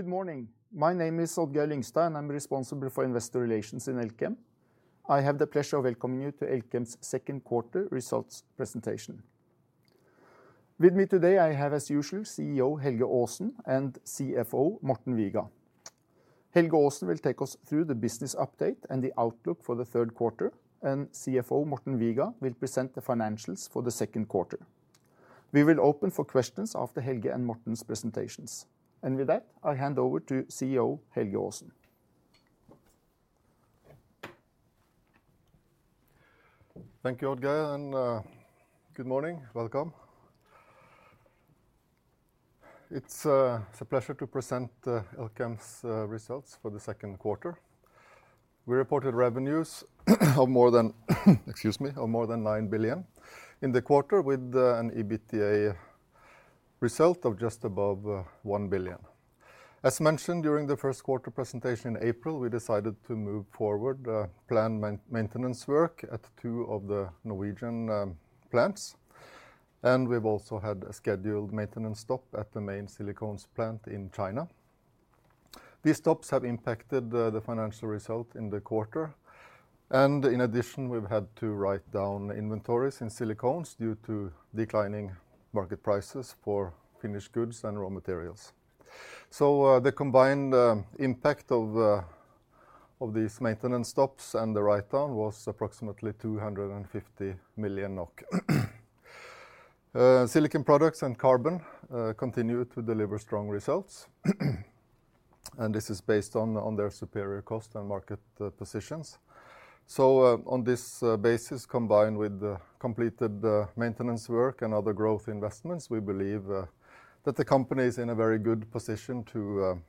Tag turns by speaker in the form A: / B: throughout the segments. A: Good morning. My name is Odd-Geir Lyngstad, and I'm responsible for Investor Relations in Elkem. I have the pleasure of welcoming you to Elkem's second quarter results presentation. With me today, I have, as usual, CEO Helge Aasen and CFO Morten Viga. Helge Aasen will take us through the business update and the outlook for the third quarter, and CFO Morten Viga will present the financials for the second quarter. We will open for questions after Helge and Morten's presentations. With that, I hand over to CEO Helge Aasen.
B: Thank you, Odd-Geir, and good morning. Welcome. It's a pleasure to present Elkem's results for the second quarter. We reported revenues of more than 9 billion in the quarter, with an EBITDA result of just above 1 billion. As mentioned during the first quarter presentation in April, we decided to move forward planned maintenance work at two of the Norwegian plants, and we've also had a scheduled maintenance stop at the main Elkem Silicones plant in China. These stops have impacted the financial result in the quarter, and in addition, we've had to write down inventories in Silicones due to declining market prices for finished goods and raw materials. The combined impact of these maintenance stops and the write-down was approximately 250 million NOK. Silicon Products and carbon continued to deliver strong results, and this is based on their superior cost and market positions. On this basis, combined with the completed maintenance work and other growth investments, we believe that the company is in a very good position to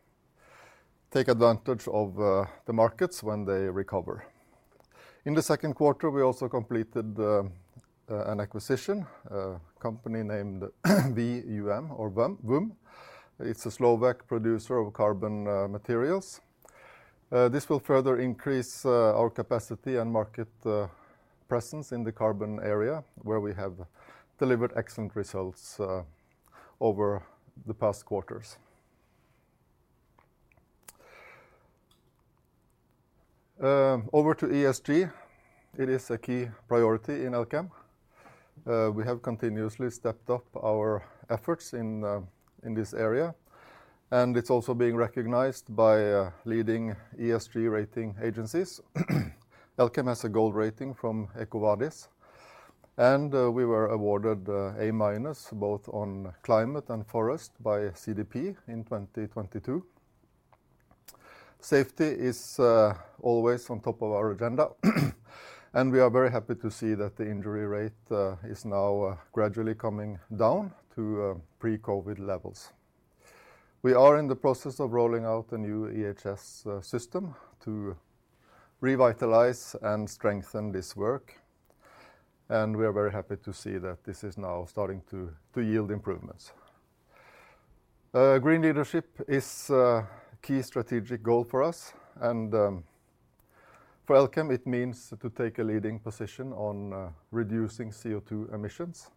B: take advantage of the markets when they recover. In the second quarter, we also completed an acquisition, a company named VUM. It's a Slovak producer of carbon materials. This will further increase our capacity and market presence in the carbon area, where we have delivered excellent results over the past quarters. Over to ESG. It is a key priority in Elkem. We have continuously stepped up our efforts in this area, and it's also being recognized by leading ESG rating agencies. Elkem has a Gold rating from EcoVadis, and we were awarded A-minus, both on climate and forest, by CDP in 2022. Safety is always on top of our agenda, and we are very happy to see that the injury rate is now gradually coming down to pre-COVID levels. We are in the process of rolling out a new EHS system to revitalize and strengthen this work, and we are very happy to see that this is now starting to yield improvements. Green leadership is a key strategic goal for us, and for Elkem, it means to take a leading position on reducing CO2 emissions,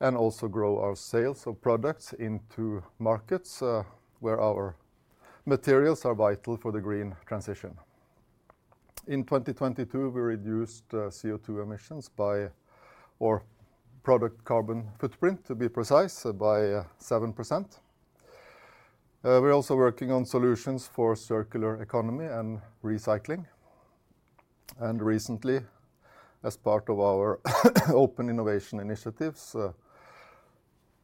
B: and also grow our sales of products into markets where our materials are vital for the green transition. In 2022, we reduced CO2 emissions or product carbon footprint, to be precise, by 7%. We're also working on solutions for circular economy and recycling. Recently, as part of our open innovation initiatives,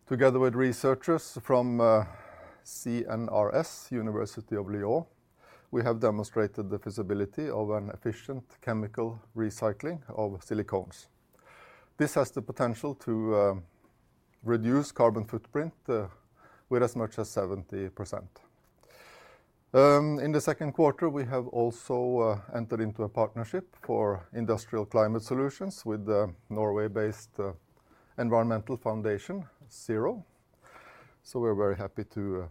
B: together with researchers from CNRS, University of Lyon, we have demonstrated the feasibility of an efficient chemical recycling of Silicones. This has the potential to reduce carbon footprint with as much as 70%. In the second quarter, we have also entered into a partnership for industrial climate solutions with the Norway-based environmental foundation, ZERO. We're very happy to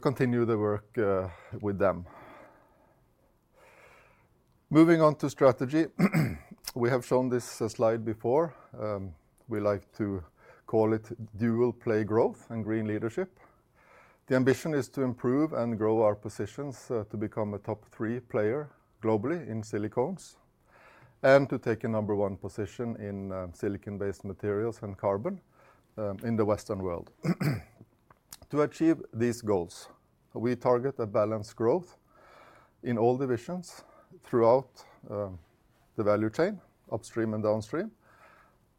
B: continue the work with them. Moving on to strategy. We have shown this slide before. We like to call it dual-play growth and green leadership. The ambition is to improve and grow our positions to become a top three player globally in Silicones, and to take a number one position in silicon-based materials and carbon in the Western world. To achieve these goals, we target a balanced growth in all divisions throughout the value chain, upstream and downstream,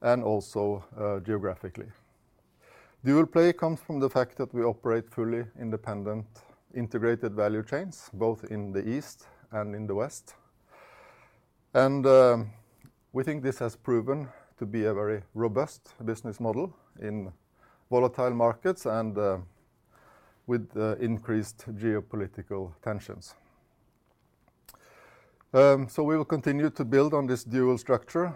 B: and also geographically. dual-play comes from the fact that we operate fully independent, integrated value chains, both in the East and in the West. We think this has proven to be a very robust business model in volatile markets and with the increased geopolitical tensions. We will continue to build on this dual structure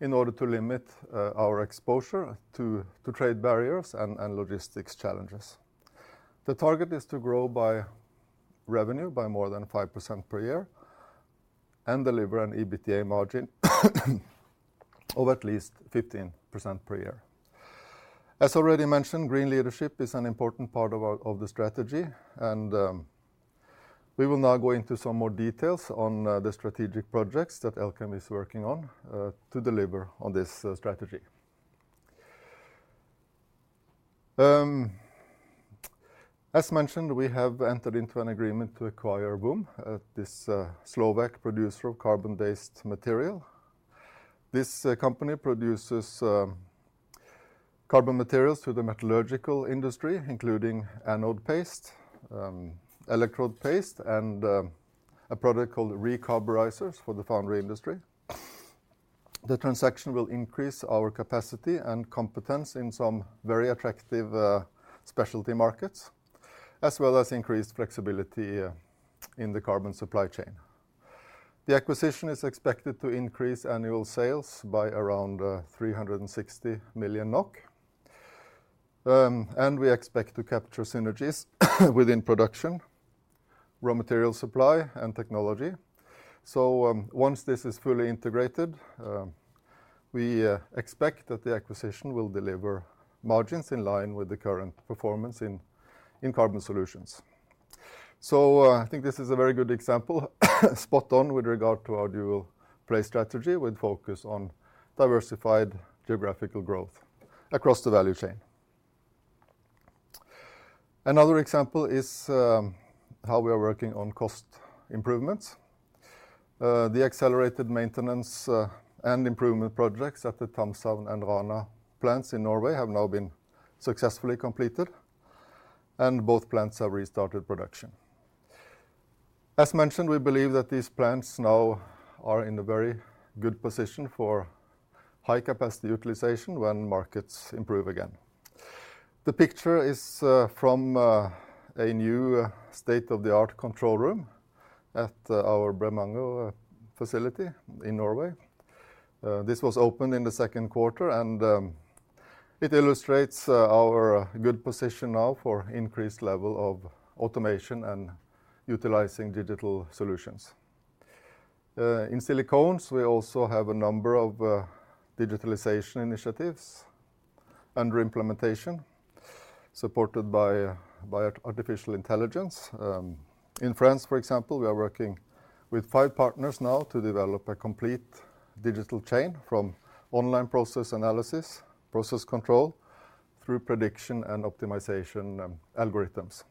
B: in order to limit our exposure to trade barriers and logistics challenges. The target is to grow by revenue by more than 5% per year and deliver an EBITDA margin of at least 15% per year. As already mentioned, green leadership is an important part of the strategy, we will now go into some more details on the strategic projects that Elkem is working on to deliver on this strategy. As mentioned, we have entered into an agreement to acquire VUM, this Slovak producer of carbon-based material. This company produces carbon materials to the metallurgical industry, including anode paste, electrode paste, and a product called recarburizers for the foundry industry. The transaction will increase our capacity and competence in some very attractive specialty markets, as well as increased flexibility in the carbon supply chain. The acquisition is expected to increase annual sales by around 360 million NOK, and we expect to capture synergies within production, raw material supply, and technology. Once this is fully integrated, we expect that the acquisition will deliver margins in line with the current performance in Carbon Solutions. I think this is a very good example, spot on with regard to our dual-play strategy, with focus on diversified geographical growth across the value chain. Another example is how we are working on cost improvements. The accelerated maintenance and improvement projects at the Thamshavn and Rana plants in Norway have now been successfully completed, and both plants have restarted production. As mentioned, we believe that these plants now are in a very good position for high capacity utilization when markets improve again. The picture is from a new state-of-the-art control room at our Bremanger facility in Norway. This was opened in the second quarter, and it illustrates our good position now for increased level of automation and utilizing digital solutions. In Silicones, we also have a number of digitalization initiatives under implementation, supported by artificial intelligence. In France, for example, we are working with five partners now to develop a complete digital chain from online process analysis, process control, through prediction and optimization algorithms.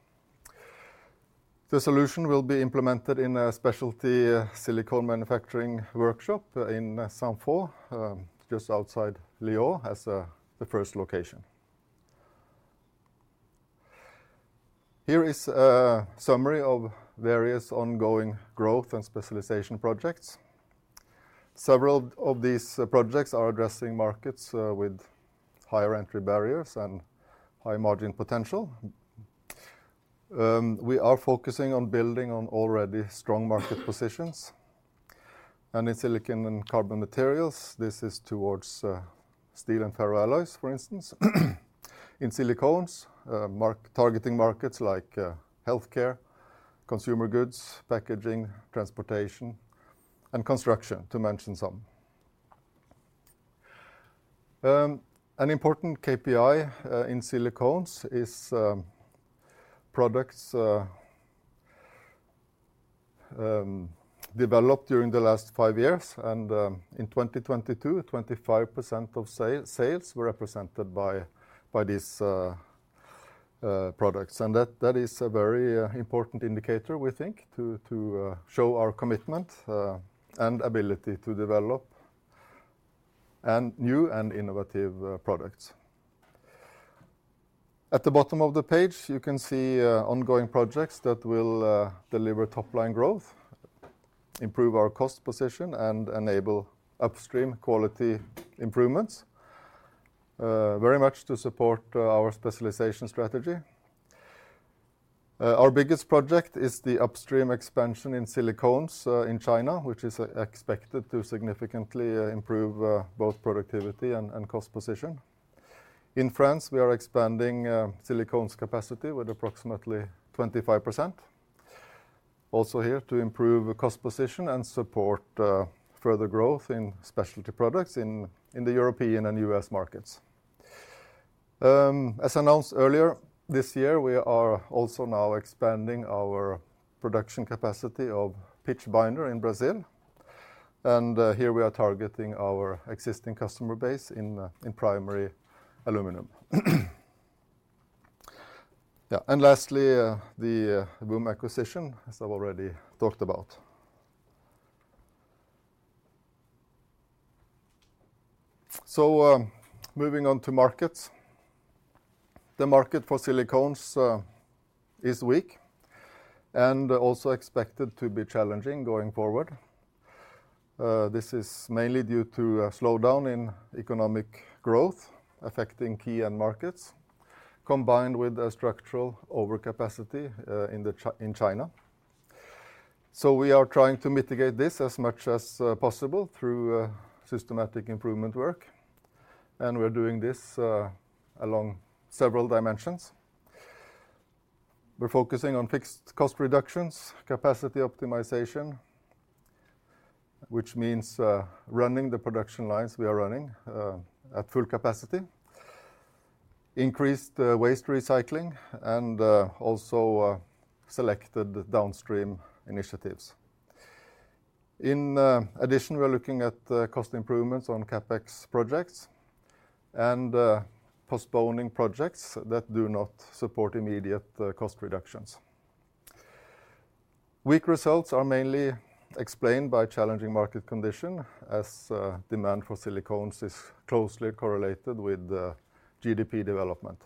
B: The solution will be implemented in a specialty silicone manufacturing workshop in Saint-Fons, just outside Lyon, as the first location. Here is a summary of various ongoing growth and specialization projects. Several of these projects are addressing markets with higher entry barriers and high-margin potential. We are focusing on building on already strong market positions. In silicon and carbon materials, this is towards steel and ferroalloys, for instance. In Silicones, targeting markets like healthcare, consumer goods, packaging, transportation, and construction, to mention some. An important KPI in Silicones is products developed during the last five years, in 2022, 25% of sales were represented by these products. That is a very important indicator, we think, to show our commitment and ability to develop and new and innovative products. At the bottom of the page, you can see ongoing projects that will deliver top-line growth, improve our cost position, and enable upstream quality improvements, very much to support our specialization strategy. Our biggest project is the upstream expansion in Silicones in China, which is expected to significantly improve both productivity and cost position. In France, we are expanding Silicones capacity with approximately 25%. Also here to improve the cost position and support further growth in specialty products in the European and U.S. markets. As announced earlier this year, we are also now expanding our production capacity of pitch binder in Brazil, here we are targeting our existing customer base in primary aluminum. Lastly, the VUM acquisition, as I've already talked about. Moving on to markets. The market for Silicones is weak and also expected to be challenging going forward. This is mainly due to a slowdown in economic growth affecting key end markets, combined with a structural overcapacity in China. We are trying to mitigate this as much as possible through systematic improvement work, we're doing this along several dimensions.... We're focusing on fixed cost reductions, capacity optimization, which means running the production lines we are running at full capacity, increased waste recycling, and also selected downstream initiatives. In addition, we're looking at cost improvements on CapEx projects and postponing projects that do not support immediate cost reductions. Weak results are mainly explained by challenging market condition, as demand for Silicones is closely correlated with the GDP development.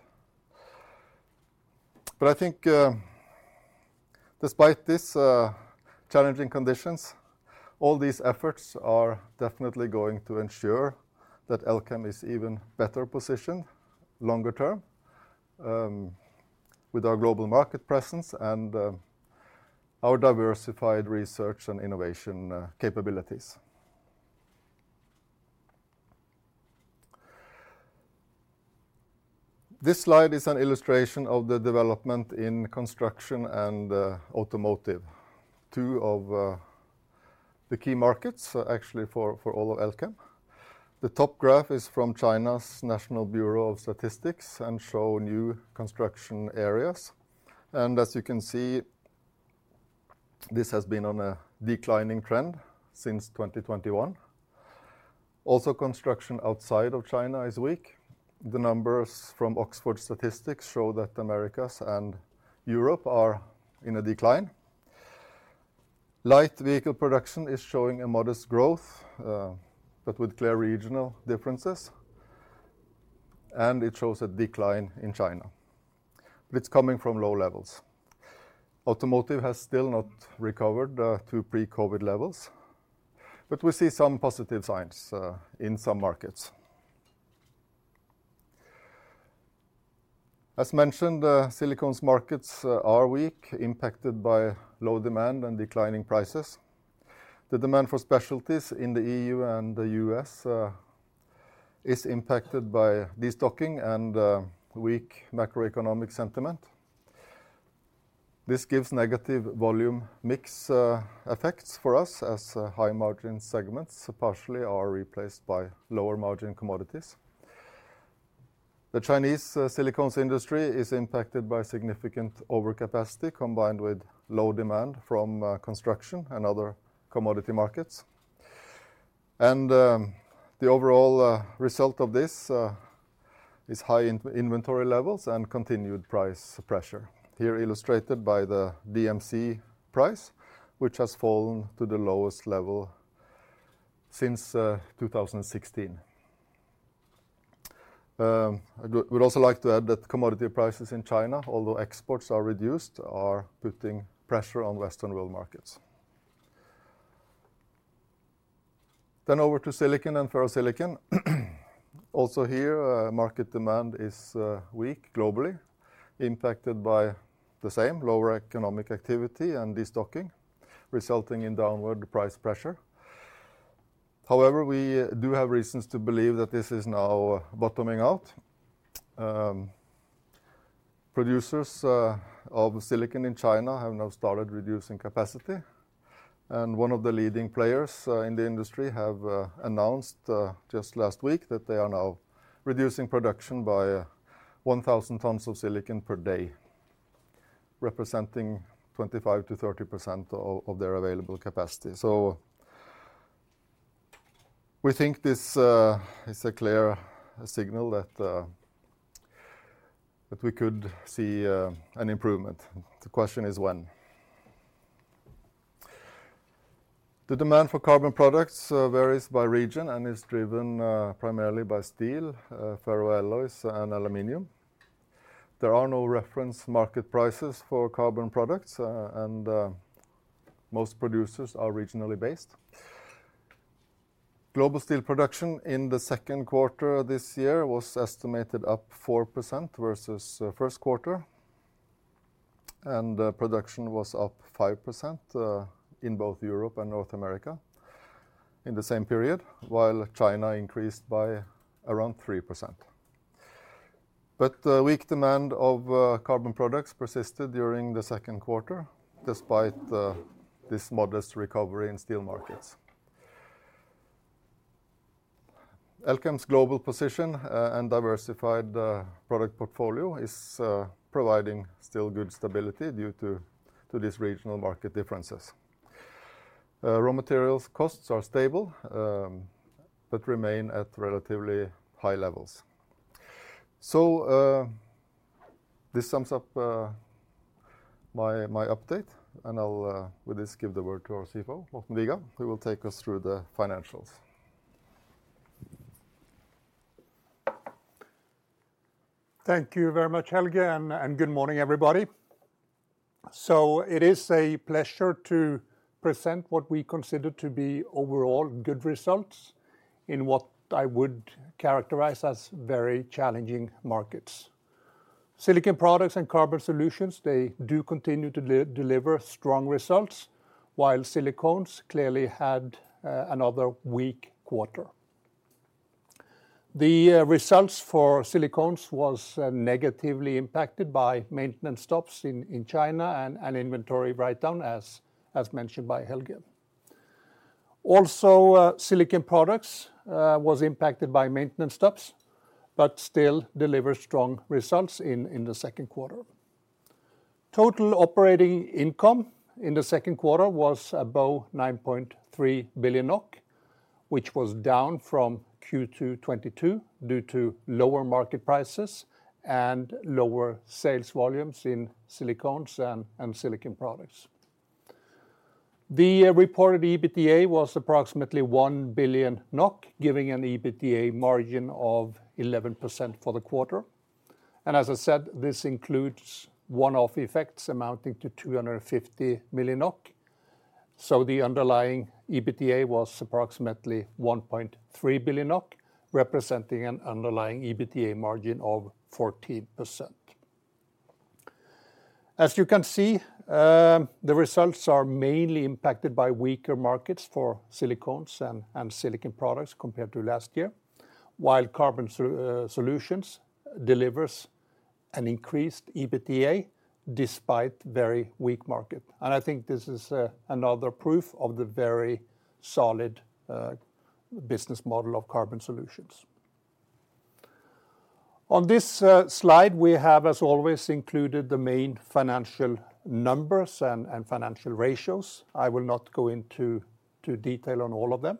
B: I think, despite this challenging conditions, all these efforts are definitely going to ensure that Elkem is even better positioned longer term, with our global market presence and our diversified research and innovation capabilities. This slide is an illustration of the development in construction and automotive, two of the key markets, actually, for all of Elkem. The top graph is from China's National Bureau of Statistics and show new construction areas, and as you can see, this has been on a declining trend since 2021. Construction outside of China is weak. The numbers from Oxford Statistics show that Americas and Europe are in a decline. Light vehicle production is showing a modest growth, but with clear regional differences, and it shows a decline in China, which coming from low levels. Automotive has still not recovered to pre-COVID levels, but we see some positive signs in some markets. As mentioned, Silicones markets are weak, impacted by low demand and declining prices. The demand for specialties in the EU and the US is impacted by destocking and weak macroeconomic sentiment. This gives negative volume mix effects for us as high-margin segments partially are replaced by lower-margin commodities. The Chinese Silicones industry is impacted by significant overcapacity, combined with low demand from construction and other commodity markets. The overall result of this is high in-inventory levels and continued price pressure, here illustrated by the DMC price, which has fallen to the lowest level since 2016. I would also like to add that commodity prices in China, although exports are reduced, are putting pressure on Western world markets. Over to silicon and ferrosilicon. Also here, market demand is weak globally, impacted by the same lower economic activity and destocking, resulting in downward price pressure. However, we do have reasons to believe that this is now bottoming out. Producers of silicon in China have now started reducing capacity, and one of the leading players in the industry have announced just last week that they are now reducing production by 1,000 tons of silicon per day, representing 25%-30% of their available capacity. We think this is a clear signal that we could see an improvement. The question is, when? The demand for carbon products varies by region and is driven primarily by steel, ferroalloys, and aluminum. There are no reference market prices for carbon products, and most producers are regionally based. Global steel production in the second quarter this year was estimated up 4% versus first quarter. Production was up 5% in both Europe and North America in the same period, while China increased by around 3%. The weak demand of carbon products persisted during the second quarter, despite this modest recovery in steel markets. Elkem's global position and diversified product portfolio is providing still good stability due to these regional market differences. Raw materials costs are stable, but remain at relatively high levels. This sums up my update, and I'll with this, give the word to our CFO, Morten Viga, who will take us through the financials.
C: Thank you very much, Helge, and good morning, everybody. It is a pleasure to present what we consider to be overall good results in what I would characterize as very challenging markets. Silicon Products and Carbon Solutions, they do continue to deliver strong results, while Silicones clearly had another weak quarter. The results for Silicones was negatively impacted by maintenance stops in China and inventory write-down, as mentioned by Helge. Also, Silicon Products was impacted by maintenance stops, but still delivered strong results in the second quarter. Total operating income in the second quarter was above 9.3 billion NOK, which was down from Q2 2022, due to lower market prices and lower sales volumes in Silicones and Silicon Products. The reported EBITDA was approximately 1 billion NOK, giving an EBITDA margin of 11% for the quarter. As I said, this includes one-off effects amounting to 250 million NOK. The underlying EBITDA was approximately 1.3 billion NOK, representing an underlying EBITDA margin of 14%. As you can see, the results are mainly impacted by weaker markets for Silicones and Silicon Products compared to last year, while Carbon Solutions delivers an increased EBITDA despite very weak market. I think this is another proof of the very solid business model of Carbon Solutions. On this slide, we have, as always, included the main financial numbers and financial ratios. I will not go into detail on all of them,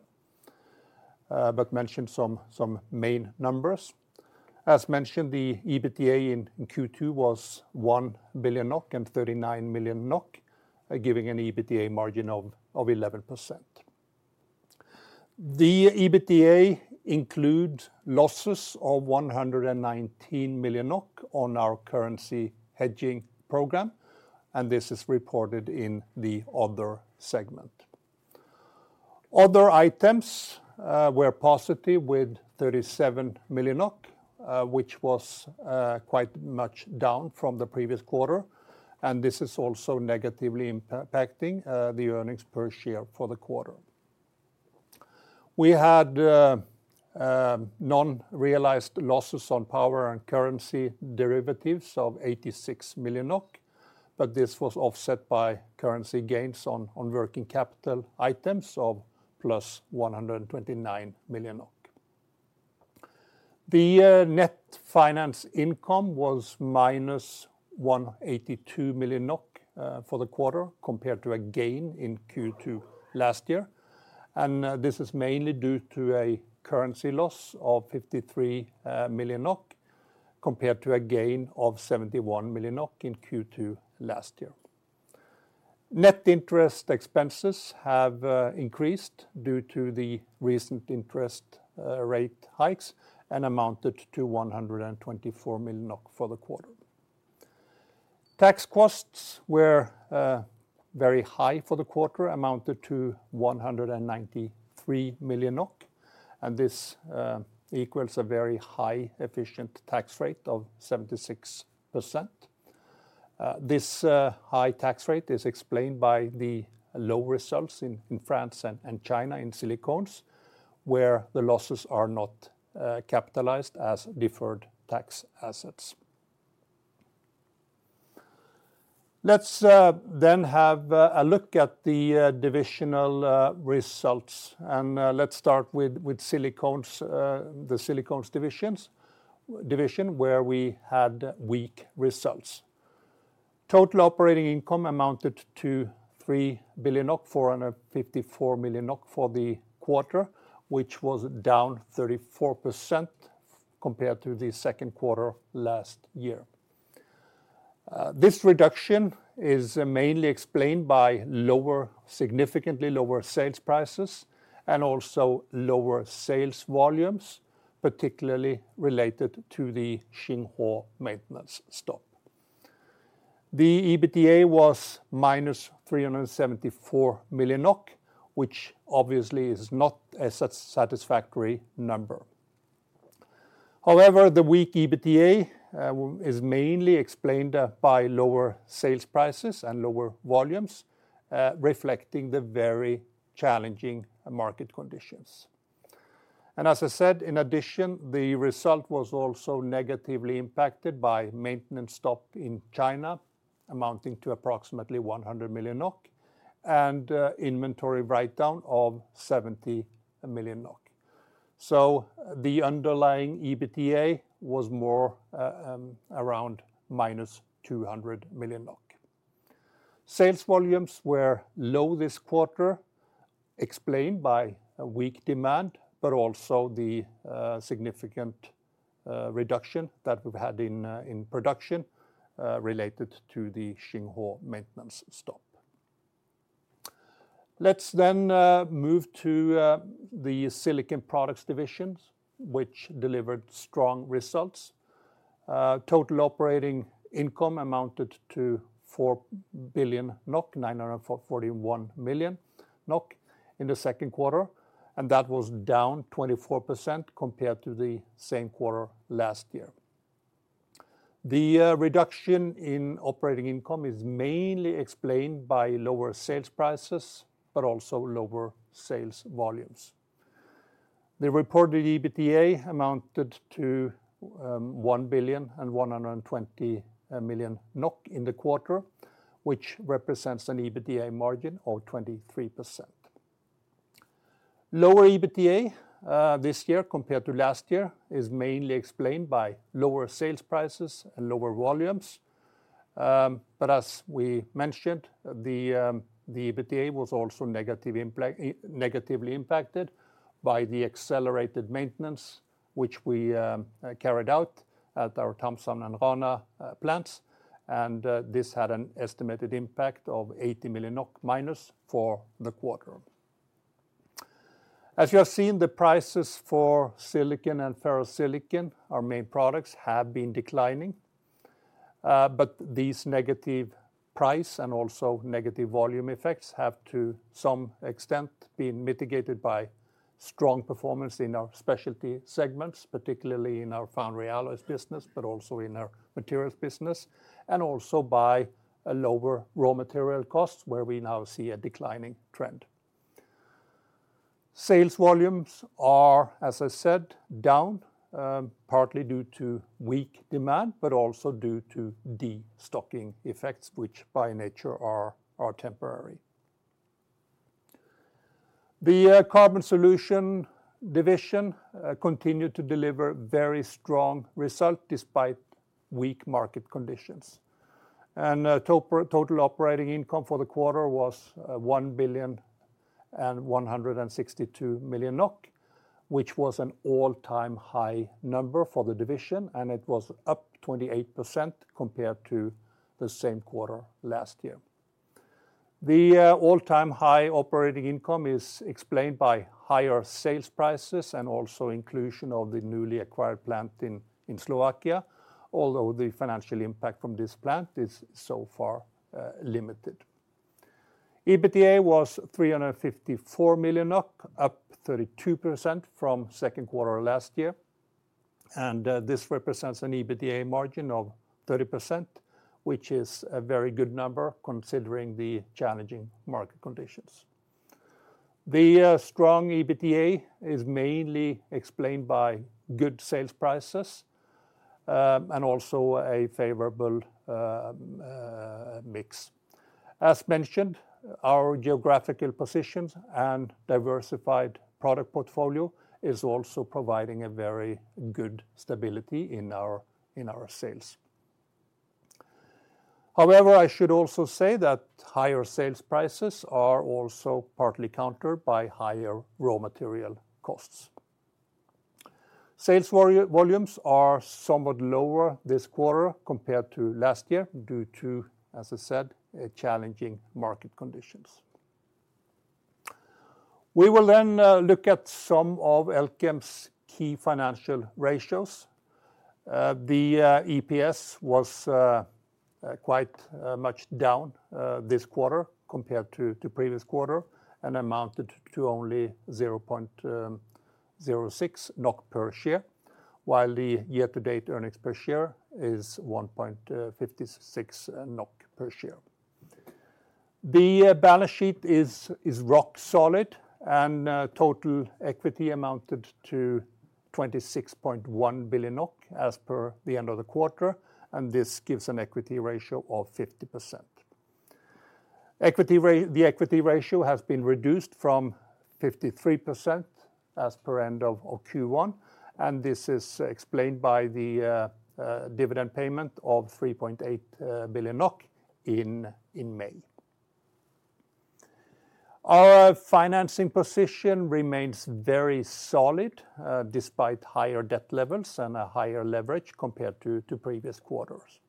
C: but mention some main numbers. As mentioned, the EBITDA in Q2 was 1 billion NOK and 39 million NOK, giving an EBITDA margin of 11%. The EBITDA include losses of 119 million NOK on our currency hedging program. This is reported in the other segment. Other items were positive with 37 million, which was quite much down from the previous quarter. This is also negatively impacting the earnings per share for the quarter. We had non-realized losses on power and currency derivatives of 86 million NOK. This was offset by currency gains on working capital items of plus 129 million. The net finance income was minus 182 million NOK for the quarter, compared to a gain in Q2 last year. This is mainly due to a currency loss of 53 million NOK, compared to a gain of 71 million NOK in Q2 last year. Net interest expenses have increased due to the recent interest rate hikes and amounted to 124 million for the quarter. Tax costs were very high for the quarter, amounted to 193 million NOK, and this equals a very high efficient tax rate of 76%. This high tax rate is explained by the low results in France and China in Silicones, where the losses are not capitalized as deferred tax assets. Let's then have a look at the divisional results. Let's start with Silicones, the Silicones division, where we had weak results. Total operating income amounted to 3 billion, 454 million for the quarter, which was down 34% compared to the second quarter last year. This reduction is mainly explained by lower, significantly lower sales prices and also lower sales volumes, particularly related to the Xinghuo maintenance stop. The EBITDA was minus 374 million NOK, which obviously is not a satisfactory number. The weak EBITDA is mainly explained by lower sales prices and lower volumes, reflecting the very challenging market conditions. As I said, in addition, the result was also negatively impacted by maintenance stop in China, amounting to approximately 100 million NOK, and inventory write-down of 70 million NOK. The underlying EBITDA was more around minus 200 million NOK. Sales volumes were low this quarter, explained by a weak demand, but also the significant reduction that we've had in production related to the Xinghuo maintenance stop. Let's then move to the Silicon Products divisions, which delivered strong results. Total operating income amounted to 4 billion NOK, 941 million NOK in the second quarter. That was down 24% compared to the same quarter last year. The reduction in operating income is mainly explained by lower sales prices, also lower sales volumes. The reported EBITDA amounted to 1,120 million NOK in the quarter, which represents an EBITDA margin of 23%. Lower EBITDA this year compared to last year, is mainly explained by lower sales prices and lower volumes. As we mentioned, the EBITDA was also negatively impacted by the accelerated maintenance, which we carried out at our Thamshavn and Rana plants, this had an estimated impact of 80 million NOK-minus for the quarter. As you have seen, the prices for silicon and ferrosilicon, our main products, have been declining. These negative price and also negative volume effects have, to some extent, been mitigated by strong performance in our specialty segments, particularly in our foundry alloys business, but also in our materials business, and also by a lower raw material cost, where we now see a declining trend. Sales volumes are, as I said, down, partly due to weak demand, but also due to destocking effects, which by nature are temporary. The Carbon Solutions division continued to deliver very strong result despite weak market conditions. Total operating income for the quarter was 1,162 billion, which was an all-time high number for the division, and it was up 28% compared to the same quarter last year. The all-time high operating income is explained by higher sales prices and also inclusion of the newly acquired plant in Slovakia, although the financial impact from this plant is so far limited. EBITDA was 354 million, up 32% from second quarter last year, and this represents an EBITDA margin of 30%, which is a very good number, considering the challenging market conditions. The strong EBITDA is mainly explained by good sales prices, and also a favorable mix. As mentioned, our geographical positions and diversified product portfolio is also providing a very good stability in our, in our sales. However, I should also say that higher sales prices are also partly countered by higher raw material costs. Sales volumes are somewhat lower this quarter compared to last year, due to, as I said, a challenging market conditions. We will look at some of Elkem's key financial ratios. The EPS was quite much down this quarter compared to previous quarter, and amounted to only 0.06 NOK per share, while the year-to-date earnings per share is 1.56 NOK per share. The balance sheet is rock solid, and total equity amounted to 26.1 billion NOK as per the end of the quarter, and this gives an equity ratio of 50%. The equity ratio has been reduced from 53% as per end of Q1. This is explained by the dividend payment of 3.8 billion NOK in May. Our financing position remains very solid despite higher debt levels and a higher leverage compared to previous quarters.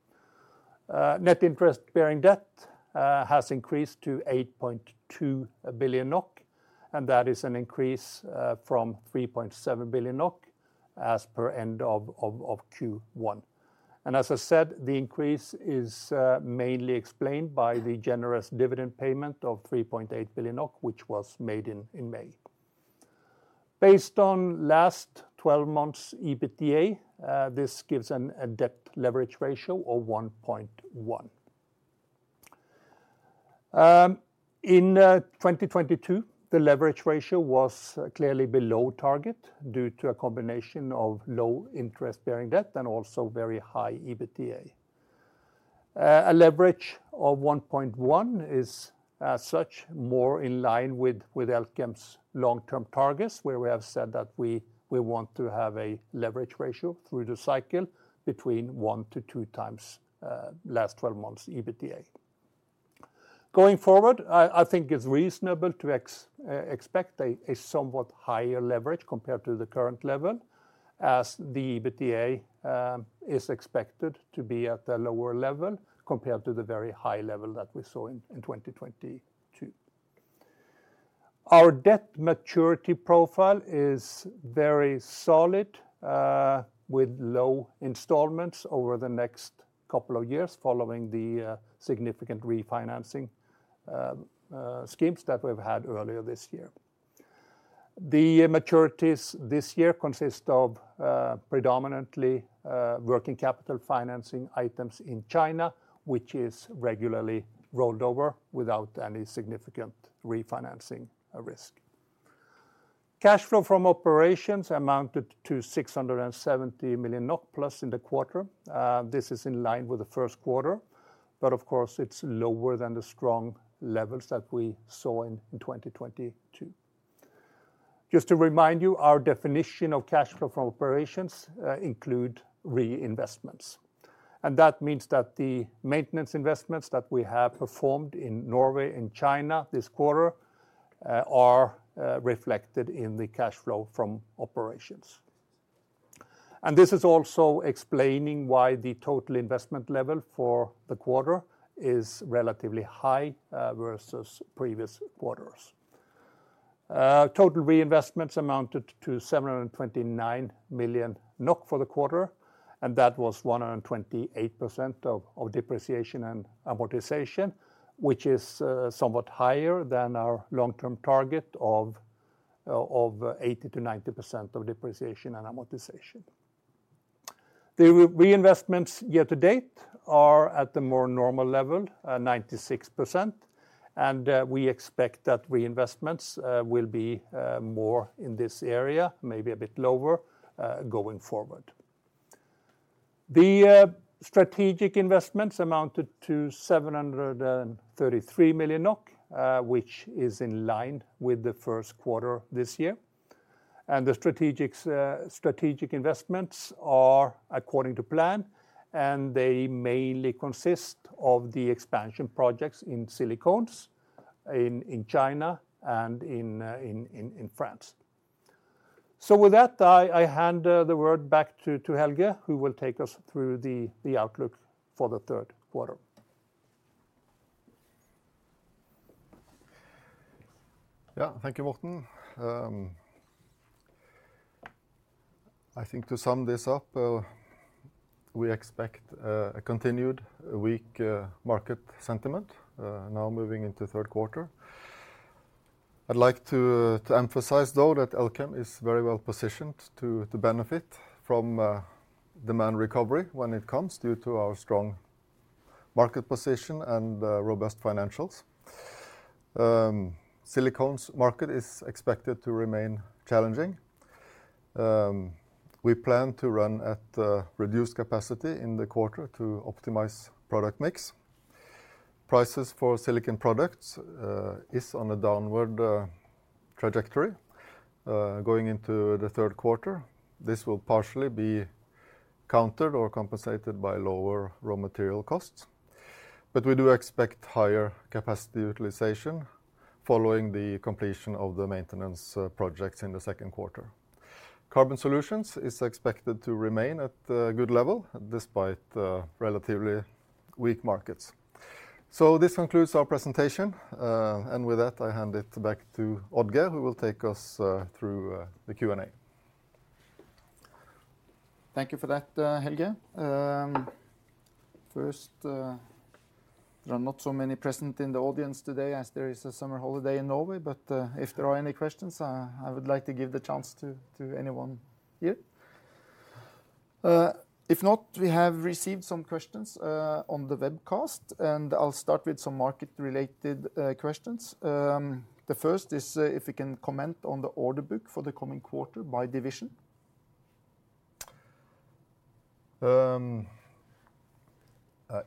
C: Net interest bearing debt has increased to 8.2 billion NOK. That is an increase from 3.7 billion NOK as per end of Q1. As I said, the increase is mainly explained by the generous dividend payment of 3.8 billion, which was made in May. Based on last 12 months' EBITDA, this gives a debt leverage ratio of 1.1. In 2022, the leverage ratio was clearly below target due to a combination of low interest-bearing debt and also very high EBITDA. A leverage of 1.1 is, as such, more in line with Elkem's long-term targets, where we have said that we want to have a leverage ratio through the cycle between one to two times, last 12 months' EBITDA. Going forward, I think it's reasonable to expect a somewhat higher leverage compared to the current level, as the EBITDA is expected to be at a lower level compared to the very high level that we saw in 2022. Our debt maturity profile is very solid, with low installments over the next couple of years, following the significant refinancing schemes that we've had earlier this year. The maturities this year consist of predominantly working capital financing items in China, which is regularly rolled over without any significant refinancing risk. Cash flow from operations amounted to 670 million NOK-plus in the quarter. This is in line with the first quarter, but of course it's lower than the strong levels that we saw in 2022. Just to remind you, our definition of cash flow from operations, include reinvestments. That means that the maintenance investments that we have performed in Norway and China this quarter, are reflected in the cash flow from operations. This is also explaining why the total investment level for the quarter is relatively high versus previous quarters. Total reinvestments amounted to 729 million NOK for the quarter, and that was 128% of depreciation and amortization, which is somewhat higher than our long-term target of 80%-90% of depreciation and amortization. The reinvestments year to date are at the more normal level, 96%, and we expect that reinvestments will be more in this area, maybe a bit lower, going forward. The strategic investments amounted to 733 million NOK, which is in line with the first quarter this year. The strategic investments are according to plan, and they mainly consist of the expansion projects in Silicones, in China, and in France. With that, I hand the word back to Helge, who will take us through the outlook for the third quarter.
B: Yeah, thank you, Morten. I think to sum this up, we expect a continued weak market sentiment now moving into third quarter. I'd like to emphasize, though, that Elkem is very well positioned to benefit from demand recovery when it comes, due to our strong market position and robust financials. Silicones market is expected to remain challenging. We plan to run at reduced capacity in the quarter to optimize product mix. Prices for Silicon Products is on a downward trajectory going into the third quarter. This will partially be countered or compensated by lower raw material costs, but we do expect higher capacity utilization following the completion of the maintenance projects in the second quarter. Carbon Solutions is expected to remain at a good level, despite relatively weak markets. This concludes our presentation, and with that, I hand it back to Odd-Geir, who will take us through the Q&A.
A: Thank you for that, Helge. First, there are not so many present in the audience today as there is a summer holiday in Norway. If there are any questions, I would like to give the chance to anyone here. If not, we have received some questions on the webcast. I'll start with some market-related questions. The first is, if you can comment on the order book for the coming quarter by division?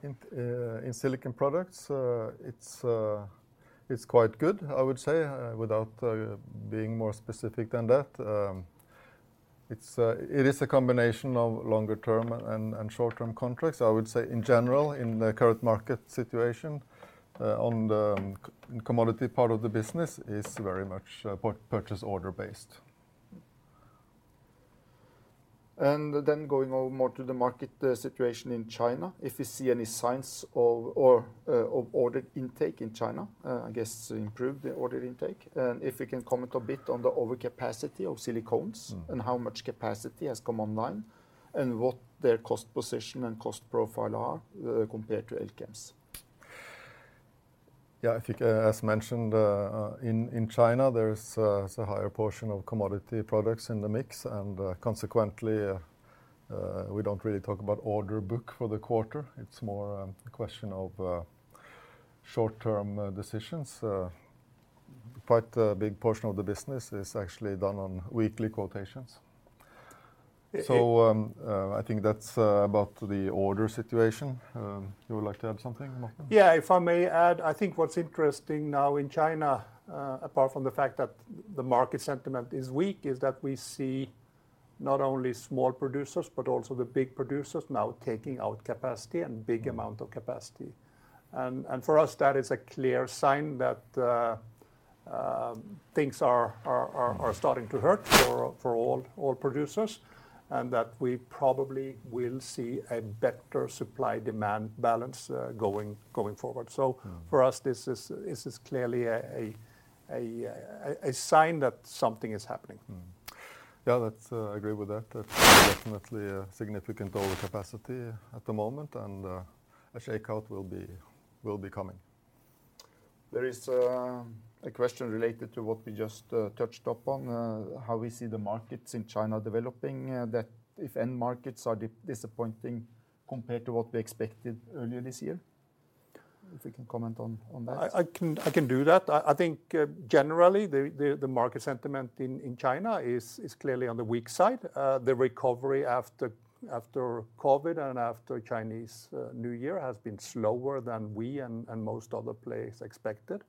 B: In Silicon Products, it's quite good, I would say, without being more specific than that. It is a combination of longer-term and short-term contracts. I would say, in general, in the current market situation, on the commodity part of the business, is very much purchase order based.
A: Going over more to the market, situation in China, if you see any signs of or, of order intake in China, I guess improved order intake, and if you can comment a bit on the overcapacity of Silicones?
B: Mm.
A: How much capacity has come online, and what their cost position and cost profile are, compared to Elkem's?
B: I think, as mentioned, in China, there's a higher portion of commodity products in the mix, and consequently, we don't really talk about order book for the quarter. It's more a question of short-term decisions. Quite a big portion of the business is actually done on weekly quotations. I think that's about the order situation. You would like to add something, Morten?
C: Yeah, if I may add, I think what's interesting now in China, apart from the fact that the market sentiment is weak, is that we see not only small producers, but also the big producers now taking out capacity and big amount of capacity. For us, that is a clear sign that things are starting to hurt for all oil producers, and that we probably will see a better supply-demand balance going forward.
B: Mm.
C: For us, this is clearly a sign that something is happening.
B: Mm. Yeah, that's, I agree with that. That's definitely a significant overcapacity at the moment, and, a shakeout will be coming.
A: There is a question related to what we just touched upon, how we see the markets in China developing, that if end markets are disappointing compared to what we expected earlier this year. If we can comment on that?
C: I can do that. I think, generally, the market sentiment in China is clearly on the weak side. The recovery after COVID and after Chinese New Year has been slower than we and most other players expected.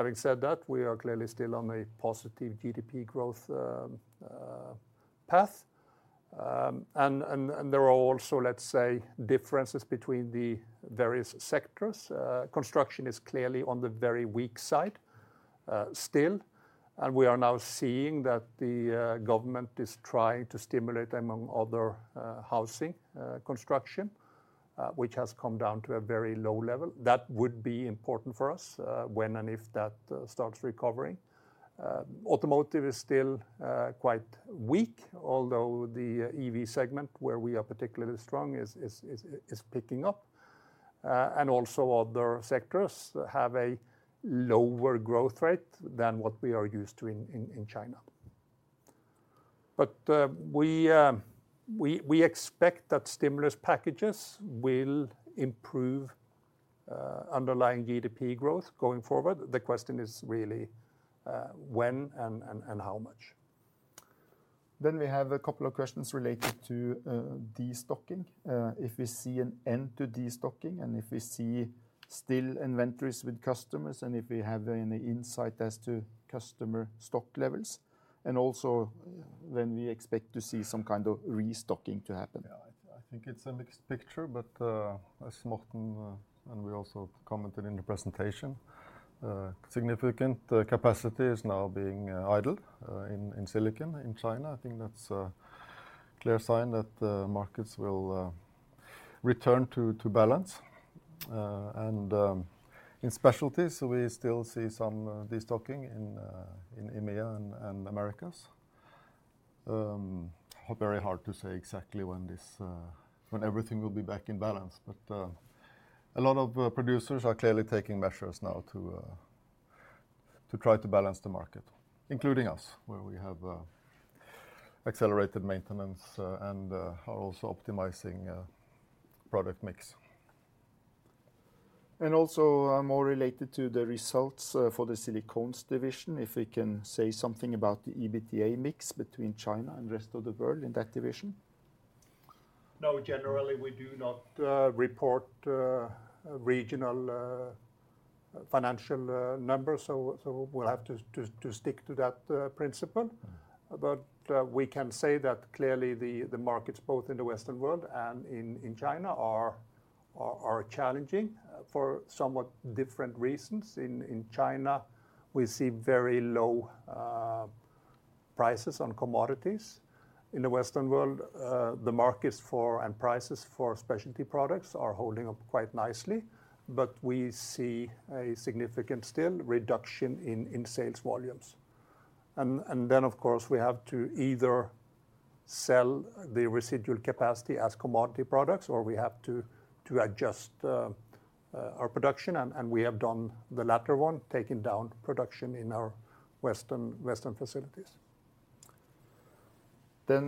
C: Having said that, we are clearly still on a positive GDP growth path. There are also, let's say, differences between the various sectors. Construction is clearly on the very weak side, still, and we are now seeing that the government is trying to stimulate, among other, housing construction, which has come down to a very low level. That would be important for us, when and if that starts recovering. Automotive is still quite weak, although the EV segment, where we are particularly strong, is picking up. Also other sectors have a lower growth rate than what we are used to in China. We expect that stimulus packages will improve underlying GDP growth going forward. The question is really when and how much?
A: We have a couple of questions related to destocking: if we see an end to destocking, and if we still see inventories with customers, and if we have any insight as to customer stock levels, and also when we expect to see some kind of restocking to happen.
B: Yeah, I think it's a mixed picture, but as Morten and we also commented in the presentation, significant capacity is now being idle in silicon, in China. I think that's a clear sign that the markets will return to balance. In specialties, we still see some destocking in EMEA and Americas. Very hard to say exactly when everything will be back in balance. A lot of producers are clearly taking measures now to try to balance the market, including us, where we have accelerated maintenance and are also optimizing product mix.
A: More related to the results, for the Silicones division, if we can say something about the EBITDA mix between China and rest of the world in that division?
C: No, generally, we do not report regional financial numbers, so we'll have to stick to that principle.
A: Mm-hmm.
C: We can say that clearly the markets, both in the Western world and in China, are challenging for somewhat different reasons. In China, we see very low prices on commodities. In the Western world, the markets for, and prices for specialty products are holding up quite nicely, but we see a significant still reduction in sales volumes. Then, of course, we have to either sell the residual capacity as commodity products, or we have to adjust our production, and we have done the latter one, taking down production in our Western facilities.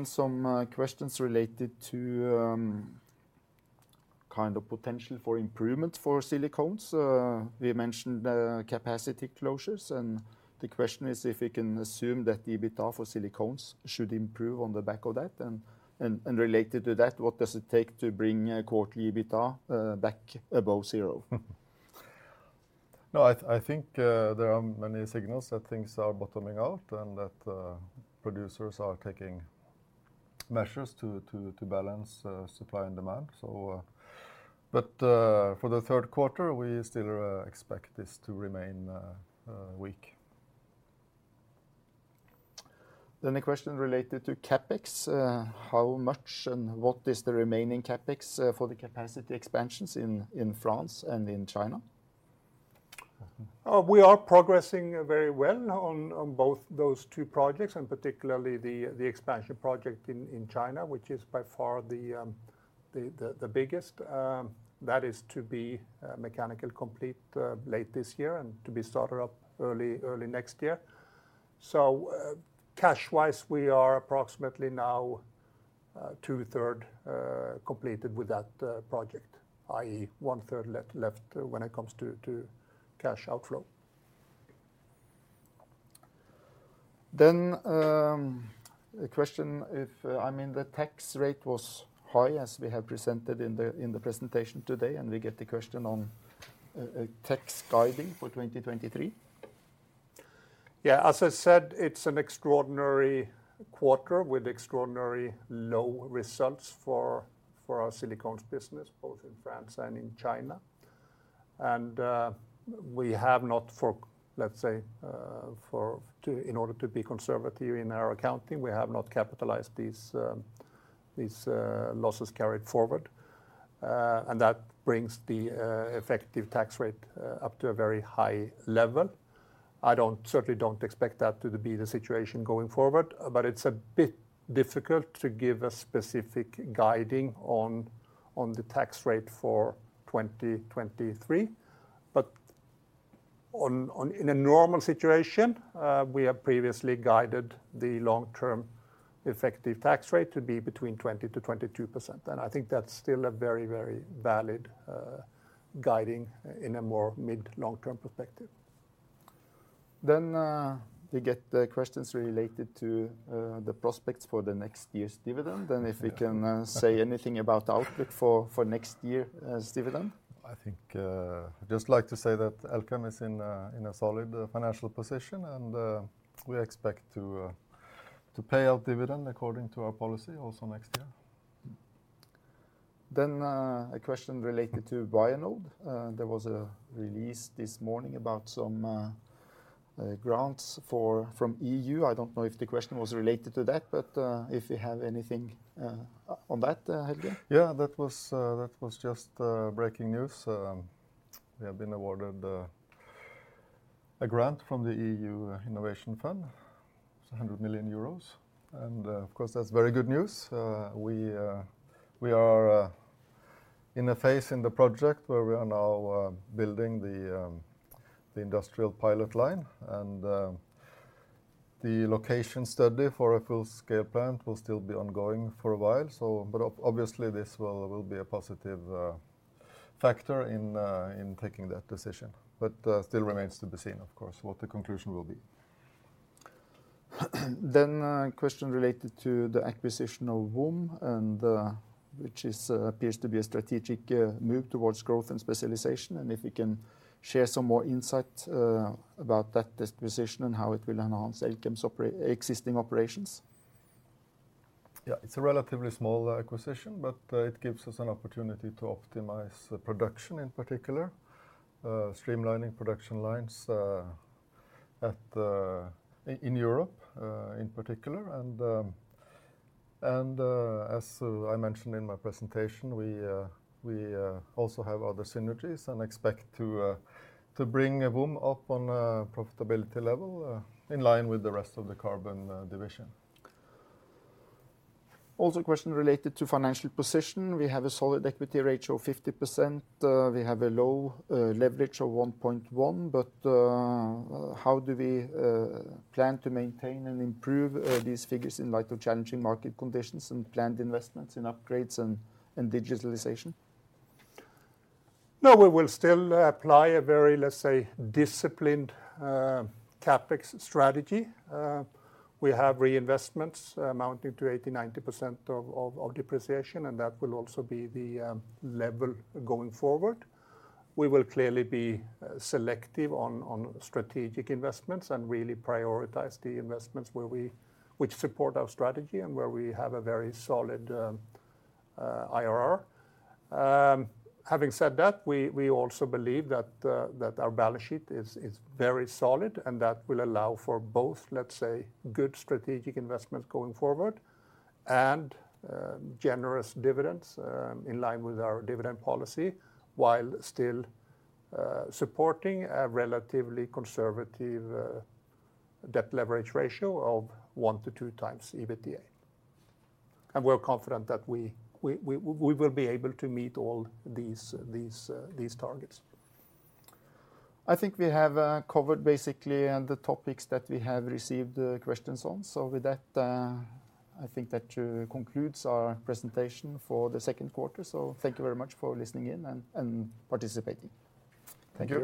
A: Some questions related to kind of potential for improvement for Silicones. We mentioned capacity closures, the question is if we can assume that the EBITDA for Silicones should improve on the back of that? Related to that, what does it take to bring a quarterly EBITDA back above zero?
B: I think there are many signals that things are bottoming out, and that producers are taking measures to balance supply and demand. For the third quarter, we still expect this to remain weak.
A: A question related to CapEx. How much and what is the remaining CapEx for the capacity expansions in France and in China?
C: We are progressing very well on both those two projects, and particularly the expansion project in China, which is by far the biggest. That is to be mechanical complete late this year and to be started up early next year. Cash-wise, we are approximately now 2/3 completed with that project, i.e., 1/3 left when it comes to cash outflow. A question if, I mean, the tax rate was high, as we have presented in the presentation today, and we get the question on tax guiding for 2023. As I said, it's an extraordinary quarter with extraordinary low results for our Silicones business, both in France and in China. We have not. In order to be conservative in our accounting, we have not capitalized these losses carried forward. That brings the effective tax rate up to a very high level. I don't, certainly don't expect that to be the situation going forward, it's a bit difficult to give a specific guiding on the tax rate for 2023. In a normal situation, we have previously guided the long-term effective tax rate to be between 20%-22%. I think that's still a very, very valid guiding in a more mid, long-term perspective. We get the questions related to the prospects for the next year's dividend. If we can say anything about the outlook for next year's dividend.
B: I think, I'd just like to say that Elkem is in a solid financial position, and we expect to pay out dividend according to our policy also next year.
A: A question related to Vianode. There was a release this morning about some grants for, from EU. I don't know if the question was related to that, but, if you have anything on that, Helge?
B: Yeah, that was just breaking news. We have been awarded a grant from the EU Innovation Fund. It's 100 million euros, of course, that's very good news. We are in a phase in the project where we are now building the industrial pilot line, and the location study for a full-scale plant will still be ongoing for a while. But obviously, this will be a positive factor in taking that decision, but still remains to be seen, of course, what the conclusion will be.
A: A question related to the acquisition of VUM, and which is appears to be a strategic move towards growth and specialization, and if we can share some more insight about that acquisition and how it will enhance Elkem's existing operations.
B: Yeah, it's a relatively small acquisition, but it gives us an opportunity to optimize the production, in particular, streamlining production lines, in Europe, in particular. As I mentioned in my presentation, we also have other synergies and expect to bring VUM up on a profitability level in line with the rest of the carbon division.
A: Also, a question related to financial position. We have a solid equity ratio of 50%. We have a low leverage of 1.1, but how do we plan to maintain and improve these figures in light of challenging market conditions and planned investments in upgrades and digitalization?
C: We will still apply a very, let's say, disciplined CapEx strategy. We have reinvestments amounting to 80%-90% of depreciation, and that will also be the level going forward. We will clearly be selective on strategic investments and really prioritize the investments which support our strategy and where we have a very solid IRR. Having said that, we also believe that our balance sheet is very solid, and that will allow for both, let's say, good strategic investments going forward and generous dividends in line with our dividend policy, while still supporting a relatively conservative debt leverage ratio of 1x-2x EBITDA. We're confident that we will be able to meet all these targets.
A: I think we have covered basically on the topics that we have received the questions on. With that, I think that concludes our presentation for the second quarter. Thank you very much for listening in and participating.
B: Thank you